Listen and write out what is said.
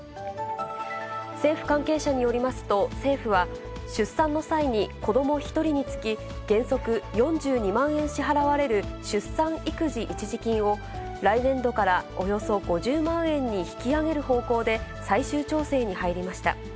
政府関係者によりますと、政府は、出産の際に子ども１人につき原則４２万円支払われる出産育児一時金を、来年度からおよそ５０万円に引き上げる方向で最終調整に入りました。